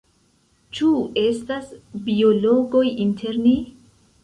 Ĉu estas biologoj inter ni?